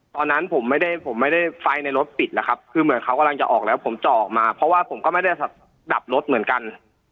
ตอนนั้นผมไม่ได้ผมไม่ได้ไฟในรถปิดแล้วครับคือเหมือนเขากำลังจะออกแล้วผมเจาะออกมาเพราะว่าผมก็ไม่ได้ดับรถเหมือนกัน